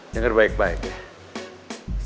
dengar baik baik ya